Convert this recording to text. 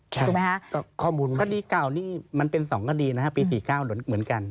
ถูกไหมฮะก็ข้อมูลคดีเก่านี่มันเป็น๒คดีนะฮะปี๔๙เหมือนกัน